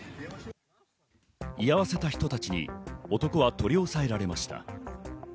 居合わせた人たちに男は取り押さえられました。